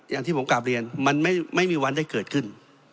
อย่างที่ผมกลับเรียนมันไม่มีวันได้เกิดขึ้น